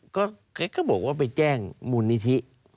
ก็บอกว่าไปแจ้งมูลนิธิ